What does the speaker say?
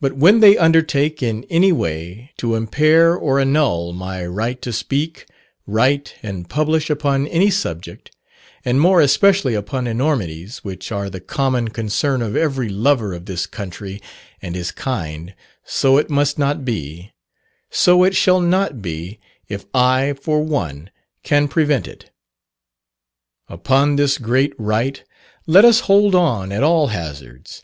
"But when they undertake in any way to impair or annul my right to speak, write, and publish upon any subject, and more especially upon enormities, which are the common concern of every lover of his country and his kind so it must not be so it shall not be, if I for one can prevent it. Upon this great right let us hold on at all hazards.